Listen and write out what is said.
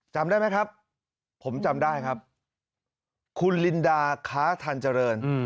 จำได้ไหมครับผมจำได้ครับคุณลินดาค้าทันเจริญ